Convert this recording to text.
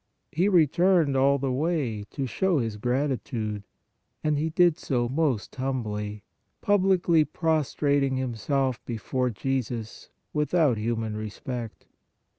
He returned all the way to show his gratitude, and he did so most humbly, publicly prostrating himself before Jesus, without human respect.